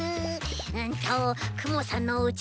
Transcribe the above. うんとくもさんのおうち